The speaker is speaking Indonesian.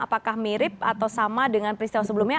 apakah mirip atau sama dengan peristiwa sebelumnya